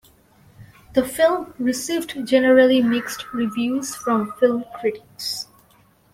The film received generally mixed reviews from film critics.